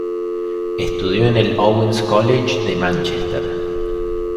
Estudió en el Owens College de Mánchester.